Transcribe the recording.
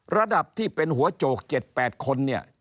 ระดับที่เป็นหัวโจก๗๘คนเนี่ย